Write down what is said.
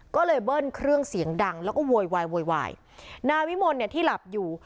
ก็เลยเบิ้ลเครื่องเสียงดังแล้วก็โวยวายโวยวายนายวิมลเนี่ยที่หลับอยู่